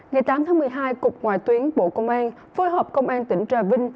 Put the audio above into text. ngày tám tháng một mươi hai cục ngoại tuyến bộ công an phối hợp công an tỉnh trà vinh